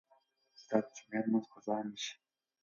ستا د جمعې لمونځ قضا نه شي.